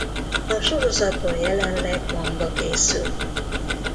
A sorozatból jelenleg manga készül.